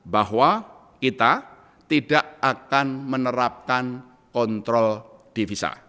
bahwa kita tidak akan menerapkan kontrol divisa